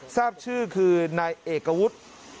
ทราบชื่อคือนายเอกวุฒิ